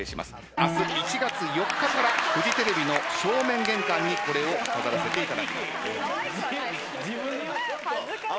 明日１月４日からフジテレビの正面玄関にこれを飾らせていただきます。